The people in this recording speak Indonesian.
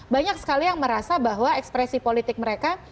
banyak sekali yang merasa bahwa ekspresi politik mereka